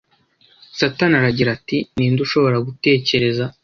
Satani aragira ati Ninde ushobora gutekereza